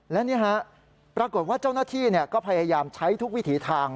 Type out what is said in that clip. และนี่ฮะปรากฏว่าเจ้าหน้าที่ก็พยายามใช้ทุกวิถีทาง